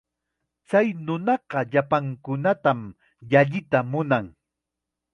Chay nunaqa llapankunatam llalliya munan.